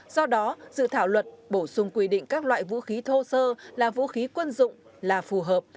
do đó dự thảo luật bổ sung quy định các loại vũ khí thô sơ là vũ khí quân dụng là phù hợp